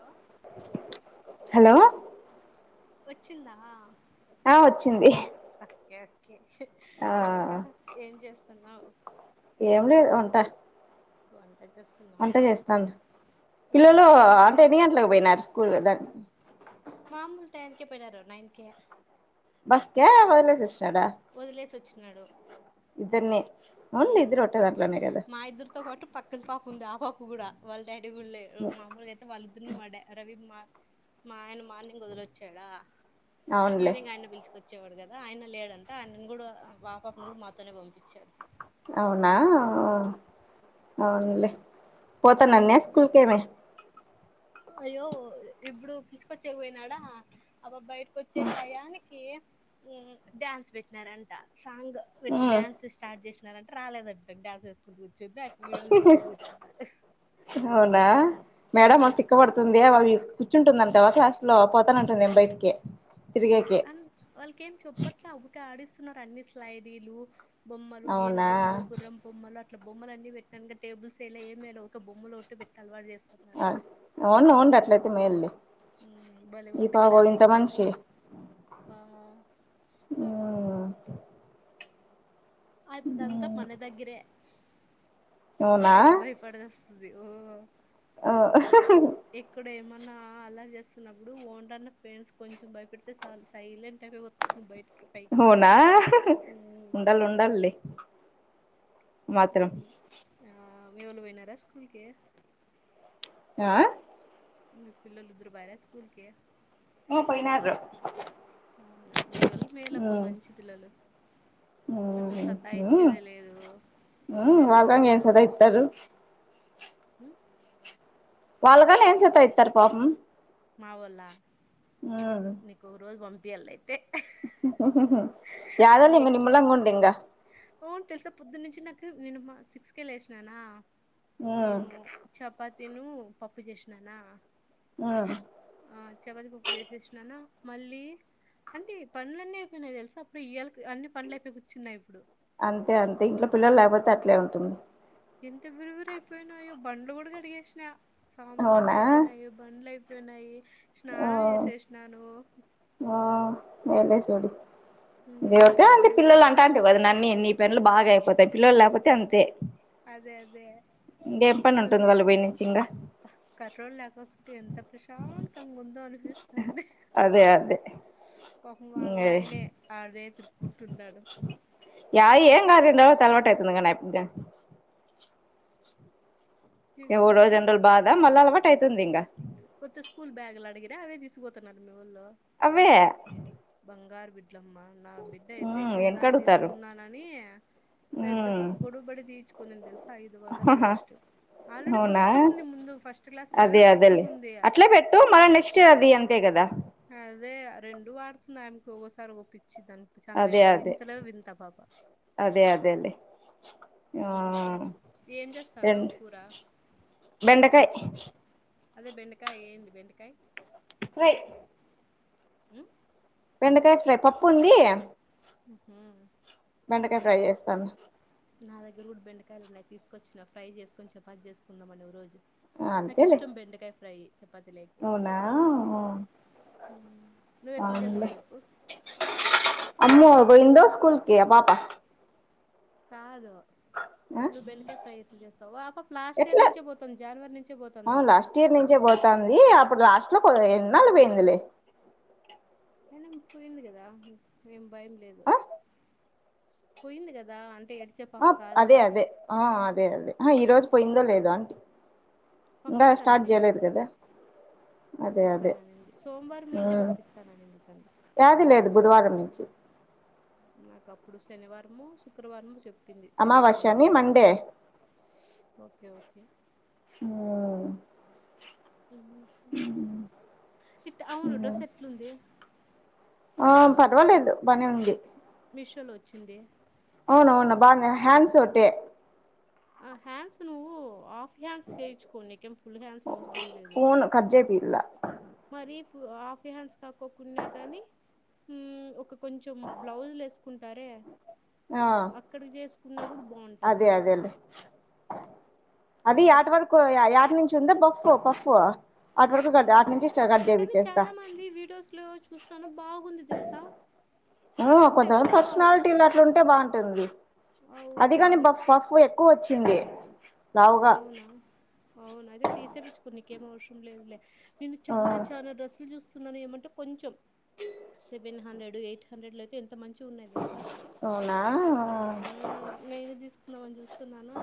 Hello hello వచ్చిందా ఆ వచ్చింది [inaudible] ఓకే ఆ ఇంకా ఏం చేస్తున్నావు ఏం లేదు ఉంటా వన్ వంట చేస్తాన ఏ పిల్లలు ఏం వంట అంటే ఎన్ని గంటలకు పోయినారు స్కూల్గా దా మాముూలు టయనీకి పోయినారు నైన్ కీ బస్క వదిలేసి వచి వదిలేసి వచిన్నాడు ఇద్దరిని అవునులే ఇద్దరు ఒకటే దాంట్లోనే కదా మా ఇద్దరుతో పాటు పక్కన పాప ఉంది ఆ పా కూడా వాళ్ళ డాడీ కూడాళ్ళ మాముూలుగా అయితే వాళ్ళుదుని వా రవి మా మా ఆయన మార్నింగ్ వదిలొచ్చాడా అవునులే ఈవినింగ్ ఆయన పిలిచుకొచ్చేవాడు కదా కదా ఆయన లేడంటే ఆయను కూడా మా పాపని కూడా మాతోనే పంపించారు అవునా అవునులే పోత నన్నే స్కూల్కిమె అయ్యో ఇప్పుడు పిసుకొచ్చకి పోయినాడా అపాప బయటకు వచ్చేటాయానికి డ్యాన్స్ పెట్టినారంట సాంగ్ పెట్టి డ్యాన్స్ స్టార్ట్ చే ట రాలేదంటండి డాన్స్ వేసుకుంట కూర్చుంటే అవునా మేడం థీక్క పడుతుంది అవి కూర్చుంటుందంటావా క్లాస్ లో పోతాన అంటుంది ఏమో బయటికి తిరిగేకి అం వాళ్ళకి ఏం చెప్పట్లే ఒకటిే ఆడిస్తున్నారు అన్ని స్లైడీలు బొమ్మలు ఏనుగు అవునా బొమ్మలు గుర్రం బొమ్మలు అట్ బొమ్మల అన్ని పెట్టాను టేబుల్స్ ఏమ ఒక బొమ్మలోట్ పెట్టాలి వాడి అవునవునులే అట్లయితే మేలు లే బలే ఉంది క్లాస్ రూమ్ అంది మనిషి హ్మ్మ్ అద అంతా మనదగ్గిరే అవునా బయట భయపడి చస్తుంది ఆ అన్నా అలా చేస్తున్నప్పుడు ఓన్న్న ఫ్రెండ్స్ కొంచెం భయపెడితే చాలు సైలెంట్ అయి వస్తుంది బయట అవునా ఉండాల ఉండాలలే ఆ మీ వాళ్ళు పోయినర స్కూల్ కి ఆ మీ పిల్లలిదరు పోయారా స్కూల్ కి పోయినారు అవునా మీ వలు మేలు ఆబ్బా మంచి పిల్లలు అసలు సతా ఇచ్చేదే లేదు ఉ తినేది బా వాల్గంగా ఏన్ సదా ఇత్తారు హ వాళ్ళగానీ ఏం చత ఇస్తారు పాపం మా వాళ నీకు ఒక రోజు పంపిఎలా అయి యాధోలే అది ఇంగ ఎక్స్పీ నిమ్ములాంగా ఉండింగా అవును తెలుసా పొద్దు నుంచి నాకు నేను మా సిక్స్ కే లేసినానా చపాతి తేను పప్పు చేసిననా ఆ చవతి పప్పు చేసేసిననా మళ్ళీ అంటే పండ్లు అన్నీ అయిపోయినాయి తెలుసా అప్పుడు ఇయల అన్ని పండ్లు అయిపోయి కూర్చున్నాయి ఇప్పుడు అంతే అంతే ఇంట్లో పిల్లలు లేకపోతే అట్లే ఉంటుంది ఎంత బిర బిర అయిపోయినాయో బండ్లు కూడా కడిగేసినా సామాన్లు అన్నీ అవునా అయిపోయినాయో బండ్లు అయిపో నాయి ఆ స్నానం చేసేసినాను ఆ వేళే చూడి ఇ ఉమ్ ఒకట అంతే అమ్మయ్య పిల్లలు అంటా అంటే కదా నన్నీ ఎన్ని పనులు బాగా అయిపోతయి పిల్లలు లేకపోతే అంతే అదే అదే ఇంకేం పని ఉంటుంది వాళ్ళు పోయి నుంచి ఇంకా కంట్రోల్ లేకపోతే ఎంత ప్రశాంతంగా ముందో అనిపిస్తుంది అదే అదే ఓహో వాళ్ళ నయనే అదే చిన్నోడు ఏమో అలవాటు అయితుంది కదా లేకుంటే ఒ ఏ ఊరో ఎక్కువగా జనలు బాద మళ్ళ అలవాటు అవుతుంది ఇంగ కొత్త స్కూల్ బ్యాగు్లు అడిగిరే అవే తీసుపోతున్నారు మీ వళ్ళు అవే ఇట్లమ్మా నా బిడ్డ అయితే ఉమ్ చిన్నదానికి వెనకడుగుతారు తీసుకున్నానని పెద్ద ఉమ్ పప్పు గొడుబడి తీచుకుని తెలుసా ఐదు వందలు వేస్ట్ ఆల్రెడీ కొత్తగుంది ముందు ఫస్ట్ క్లాస్ బ్యాగ కొ అట్లె పెట్టు మన నెక్స్ట్ ఇర్ అది అంతే కదా అదే రెండు వాడుతుంది ఆమెకి ఒకోకసారి కచ్చితంగా చాలా వి అదే అదే వింతలే వింత ఆ పాప అదే అదేలే ఆ ఇంకా ఏం బెన్ చేస్తాన్నావు కూర బెండకాయ అదే బెండకాయ ఏంది బెండకాయ రే హ బెండకాయ ఫ్రై పప్పు ఉంది ఉహు బెండకాయ ఫ్రై చేస్తాను నా దగ్గర కూడా బెండకాయలున్నాయి తీసుకొచ్చిన ఫ్రై చేసుకొని చపాతిచేసుకుందాం ఓకే రోజు అనీ నాకు అంతేలే ఇష్టం బెండకాయ ఫ్రై వద్దులేండి అవునా నువ్వెట్ల చేస్తా అవునులే చెప్పు అమ్మో పోయిందో స్కూల్ కి ఆ పాపా కాదు ఆ నువ్వు బెండకాయ ఫ్రై ఎట్లా చేస్తావు పాప లాస్ట్ ఇయర్ ఎట్లా నుంచే పోతుంది జనవరి నుంచే పోతుందంట పోతంది అప్పుడు లాస్ట్ లో కొ ఎన్నాళ్ళు పోయిందిలే పోయింది కదాం ఏం భయం లేదు ఆ పోయింది కదా అ ఆ అదే అదే ఆ అదే అదే ఆ ఈ రోజు పోయిందో లేదో అని ఇంకా స్టార్ట్ పంపిస్తాననింది చేయాలేదు కదా అదే అదే పంపిస్తాననింది సోమవారం నుంచే పంపిస్తాననింది తను వ్యాది లేదు బుధవారం నుంచి నాకు అప్పుడు శనివారము శుక్రవారము చెప్ చెప్పింది శనివారం నుంచి అమావాస్యని మండే సోమారం ఓకే ఓకే హ్మ్మ్ ఉహు ఇంకా ఇతే అవును డ్రస్ ఎట్లు ఉంది ఆ పర్వాలేదు బనే ఉంది మీషోలో వచ్చింది అవును అవును బానే హ్యాండ్స్ ఒకటే ఆ హ్యాండ్స్ నువ్వు హాఫ్ హ్యాండ్స్ చేయించుకో నీకేం ఫుల్ హ్యాండ్స్ అవసరం లేదు ఇలా మరి ఆఫ్ హన్స్ కాక్కకుడా గాని మ్మ్ ఒక కొంచెం బ్లౌజ్లు వేసుకుంటారే ఆ అక్కడికి చేసుకున్నా కూడా బాగుంటది అదే అదేలే అది ఆట వరకు ఏయాట నుంచి ఉందా పఫ పప్పు ఆ కానీ చాలా మంది వీడియోస్ లో చూసినను బాగుంది తెలుసా ఆ ఒ డ్రెస్ కొంత మంది ఎక్కువ పర్సనాలిటీ ఆ అట్లుంటే బాగుంటుంది అది కాని అవునవును. పఫ్ ఎక్కువోచ్చింది అవునా అవునా అయితే తీసే పిచ్చుకో నీకేం అవసరం లేదులే నేను ఆ చానా చానా డ్రెస్లు చూస్ సున్నానో ఏమంటవ్ కొంచెం సెవెన్ హండ్రెడ్ ఎయిట్ హండ్రెడ్లైతే ఎం ఎంత మంచిగున్నాయి తెల్సా అవునా మ్మ్ నేను జీసుకుందామని జూస్సున్నానా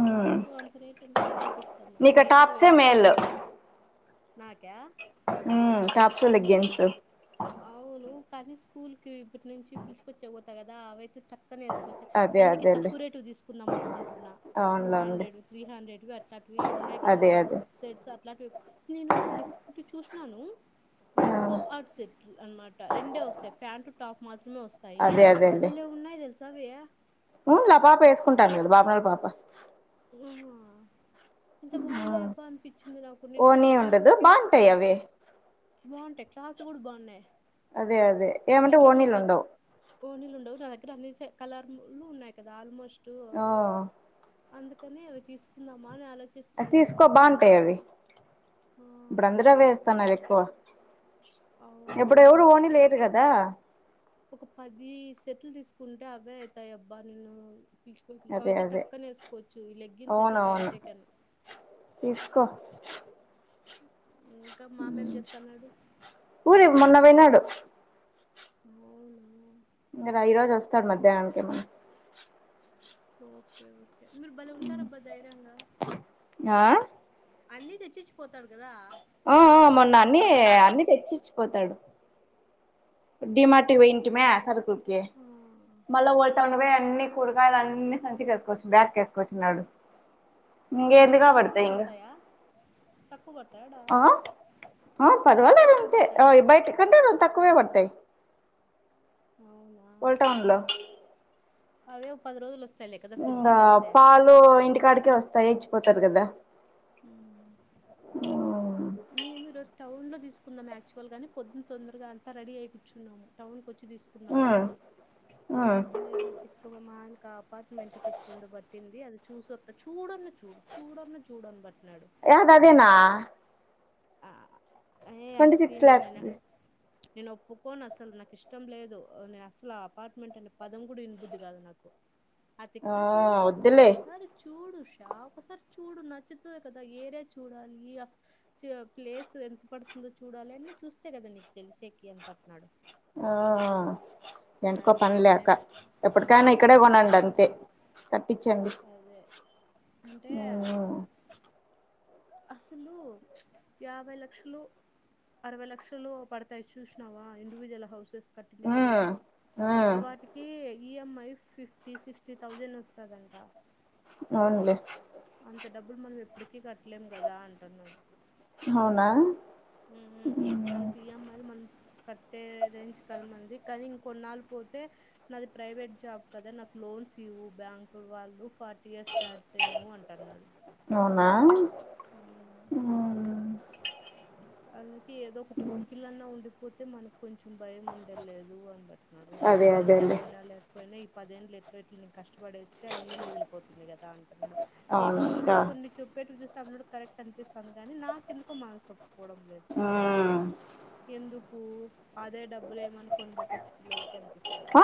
ఉమ్ కొంచెం అంత రేట్ అంటే ఆలోచిస్తాన్న నీకు బయటైతే టాప్సే వేరు. మేలు [inaudible] నాక్య మ్ టాప్స్ లెగ్గింగ్స్ అవును కానీ స్కూల్ కి ఇప్పట్ నుంచి పిల్సుకొచ్చేకి పోతా కదా అవైతే త. క్కన ఏసుకోవచ్చు అదే అందుకే అదేలే తక్కువ రేటు తీసుకుందాం అనుకుంటున్నా టూ, అవునులేండి హండ్రెడ్, త్రీ హండ్రెడ్వి అట్లాటి. వి ఉన్నాయి కదా అదే అదే సెట్స్ అట్లాంటివి నేను నీకు కుట్టి చూస్ నాను ఆ కోఅట్సెట్లు అన్మాట రెండే వస్తాయి ఫ్యాన్టు టాప్ మా. త్రమే వస్తాయి అదే భళ్లే ఉన్నాయి తెల్సావి ఉన్లే ఆ పాప ఏసుకుంటంది కదా బాపనోళ్ళ పాప హవునా ఎంత బాగున్నాయ అబ్బా అనిపిచ్చింది, నాకు నేను ఓని ఎప్పుడు ఉండదు ఇన్నాళ్లదాకా ఎప్పుడూ బాగుంటాయి చూడ్లా. అవి బాగుంటాయి క్లాస్ కూడా బావున్నాయి అదే అదే ఏమంటె ఓణీలుండవు డు నా దగ్గర అన్ని సే కలర్లు ఉన్నాయి కదా ఆల్మోస్ ఆ అందుకనే అవి తీసుకుందామా అని ఆలో ఆ తీసుకో బాగుంటాయవి ఆ ఇప్పుడందరు అవే ఏస్తన్నారు ఎక్కువ. ఎప్పుడు ఎవరు అవునవును ఓనీలేయరు కదా ఒక పది సెట్లు తీసుకుంటే అవే అయితాయబ్బా నేను పిలిచిపోమేకి అదే అవైతే అదే టక్కనీ వేసుకోవచ్చు ఈ లెగ్గిన్స్ అయితే టైమ్ అవునవును టేకన్. తీసుకో ఇంకా మామేం చేస్తాన్నాడు ఊరి మొన్న పోయినాడు అవునా ఇంగరా రోజు వస్తాడు మధ్యాహ్నాకేమన్న ఓకే, ఓకే మీరు బలే ఉంటారబ్బా ధైర్యంగా. ఆ అన్ని తెచ్చించిపోతాడు కదా ఆ ఆ మొన్న అన్ని అన్ని తెచ్చిచ్చిపోతాడు డి మార్ట్ కి పోయింటిమే సరుకుల్కి ఆ మల్ల ఓట [unintelligible] ఇంకా పోయి అన్ని కూరగాయలు అన్ని సంచికేసుకోచ్ బ్యాగ్కేసుకోచ్చున్నాడు. ఇంగేమ్ది అడ తక్కువే కాబడతాయి ఇంగ పడతాయా తక్కువ పడతాయాడా ఆ ఆ తక్కువ పర్వాలేదంతే పడతాడ ఆవ్ బయటికంటే రోన్తక్కువే బర్తావ్. అవునా పోల్ టౌన్లో అవే ఓ పది రోజుల్స్ ఇంగా పాలు ఇంటికాడికే వస్తాయి ఎయిచ్చిపోతారు గదా హు మేము ఈరోజు టౌన్ లో తీసుకుందాం, యాక్చువల్గాని పొద్దున్ తొందరగా అంతా రెడీ ఐ కూర్చున్నాము టౌన్ కో. చ్చి తీసుకుందామని అట్ల ఏదో తిక్కం మాయన్కా అపార్ట్మెంట్ పిచ్చెందో బట్టింది, అది చూసొత్త చూడన్న చూడు చూడన్న చూడని బ. యాదదేనా ఆ ఆ ట్వంటీ సిక్స్ లాక్స్ది నేనోప్పుకోనసల్ నాకిష్టం లేదు నేనస్లా ఆ అపార్ట్ ఏమంటానే పదం కూడా విన్బుది కాదు నాకు ఆ తక్క పిందో వద్దులే ఒక్కసారి చూడు చ ఒకసారి చూడు నచ్చుతుంది కదా ఏరియా చూడాలి ప్లేస్ ఎంత పడుతుంది ముందు చూడాలి అన్ని చూస్తే కదా నీకు తెలిసే క అని పట్న్నాడు ఆ ఎంటకో పని అందుకే లేక నేనేమి ఆ ఎప్పటికైనా ఇక్కడే కొనండి అంతే కట్టించే అదే అంటే అసలు ప్చ్ యాభై లక్షలు అరవై లక్షలు పడతాయి చూసినావా ఇండివిజువల్ హౌసెస్ కట్టిట్వే ఉమ్ అ ఉమ్ వాటికి ఈఎంఐ ఫిఫ్టీ సిక్స్టీ థౌజండ్ వస్తుందన్ అ అవునులె అంత డబ్బులు మనం ఎప్పటికీ కట్టలేం కదా అంటున్నాడు అవునా అంత ఇఎంఐ మనం కట్టే రేంజ కది మంది కానీ ఇంకొన్నాళ పోతే నాది ప్రైవేట్ జాబ్ కదా నాకు లోన్స్ ఇవు బ్యాంకు వాళ్ళు ఫోర్టీ ఇయర్స్ దాడతను అవునా ఊ అందుకి ఏదో ఒకటి ఒకకిళ్ళన్నా ఉండిపోతే మన కొంచెం భయం ఉండలేదు అని బట్టిన్నాడు అదే ఒకళ జాబ్ అదేలే ఉన్నా లేకపోయినా ఇప్ పదేంలు ఎట్లా ఎట్ల నే కష్టపడేస్ ఇల్లు మిగిలిపోతుంది కదా అంటున్నాడు ఏమో ఆ అవునుగా పిల్లోడు కొన్ని చెప్పే చూ తల్డు కరెక్ట్ అనిపిస్తుంది కానీ నాకు ఎందుకు మనసు ఒప్పుకోవడం లేదు ఉమ్ ఎందుకు కు అదే డబ్బులు ఏమని కొనిబెట్టొచ్చు పిల్లలకి అనిపిస్తాంది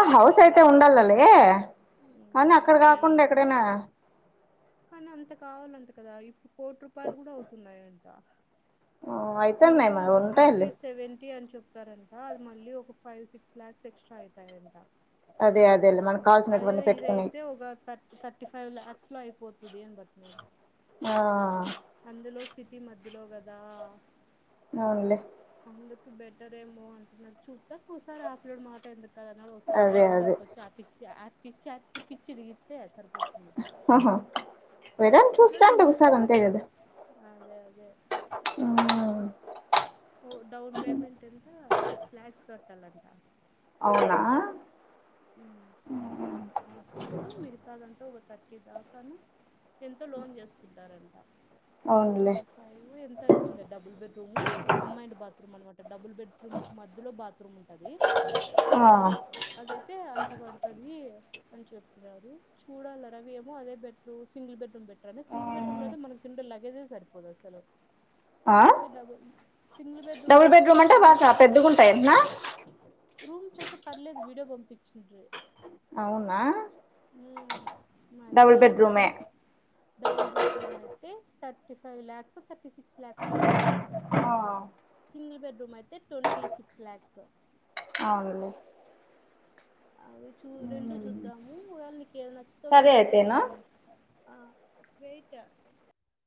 కని అక్కడ ఏ కాకుండా ఎక్కడైనా కానీ అంత కావాలంటే కదా ఇప్పుడు కోటి రూపాయలు కూడా అవుతున్నాయిడి ఆ అయితున్నాయి మినిమం మరి ఒక సిక్స్టీ ఉంటాయిలే సెవెంటీ అని చెప్ తారంట అది మళ్ళీ ఒక ఫైవ్ సిక్స్ లాక్స్ ఎక్స్ట్రా అవుతాయంట అదే అదేలే మనకు అది కావాల్సినటువన్నీ పెట్టుకునేయి ఇదయితే ఒక థర్ థర్టీ ఫైవ్ లాక్స్ లో అయిపోతుంది ఉదయన్ భట్నడు ఆ ఈ మధ్యలో కదా అవునులే ఎందుకు బెటర్ ఏమో అంటున్నారు చూత కుసార ఆపిలోడ మాట ఎందుకు కద ఒకసారి అట్లా అదే రౌండ్ అదే వేసూకోచ్చు ఆ పిచ్చి పిచ్చి యాప్కి పిచ్చిడిగి అంతే సరిపోతుంది ఆహా ఏదైనా అప్పులడు చూస్తాండి ఉండగాల ఒకసారి డబ్బా అంతే అదే అదే ఆ ఓ డౌన్ పేమెంట్ ఎంత సిక్స్ లాక్స్ కట్టాలంట అవునా ఊ సిక్స్ ఏమో సిక్స్ మిగతాదంతా ఒక థర్టీ దాకాన ఎంతో లోన్ చేసుకుంటారంట థర్టీ అవునులే ఫైవ్ ఎంత అవుతుంద double bed to combined bathroom అనమాట డబుల్ బెడ్రూమ్ మధ్యలో బాత్రూమ్ ఉంటది ఆ అదైతే అంత పడుతది అని చెప్పినారు చూడాల రవి ఏమో అదే బెడ్రూమ్ సింగిల్ బెడ్రూమ్ బెటర్ అని సింగిల్ బెడ్రూమ్ లో ఉమ్ అయితే మనకుండే లగేజే సరిపోదు అసలు ఆ అందుకే డబుల్ సింగిల్ డబుల్ అయితే బెడ్రూమ్ ఒక అంటే బాగా పెద్దగుంటాయి అట్నా రూమ్స్ అయితే పర్లేదు వీడియో పంపించిండ్రి అవునా ఉమ్ మరి డబుల్ బెడ్రూమే ఇప్పుడు డబుల్ బెడ్రూమ్ అయి తే థర్టీ ఫైవ్ ల్యాక్సో థర్టీ సిక్స్ ల్యాక్సో ఆ సింగిల్ బెడ్రూమ్ అయితే ట్వంటీ సిక్స్ ల్యాక్స్ అవున్లే అది చూ రెండు చూద్దాము ఒగవేళ నీకు ఏది నచ్చితో సరే ఒగవేళ అయితేనా చూద్దాం ఆ వైట్